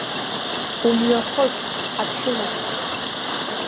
Умҩахыҵ, ҳаԥшәымацәаз!